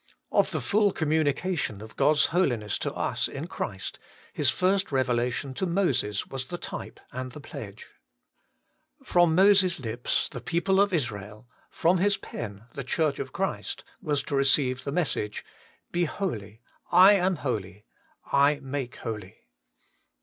Of the full communication of God's Holiness to us in Christ, His first revelation to Moses was the type and the pledge. From Moses' lips the people of Israel, from his pen the Church of Christ, was to receive the message, ' Be holy : I am holy : I make holy.'